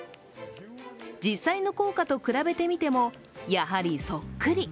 実際の硬貨と比べてみても、やはりそっくり。